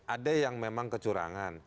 ada yang memang kecurangan